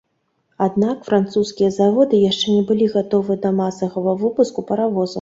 Аднак французскія заводы яшчэ не былі гатовыя да масавага выпуску паравозаў.